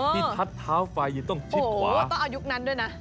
ที่ทัดเท้าไฟอยู่ต้องชิดขวาต้องอายุนั้นด้วยนะ